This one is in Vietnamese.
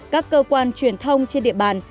các cơ quan truyền thông trên địa bàn